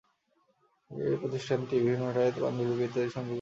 এই প্রতিষ্ঠানটি বিভিন্ন টাই পাণ্ডুলিপি ইত্যাদি সংরক্ষিত করে রেখেছে।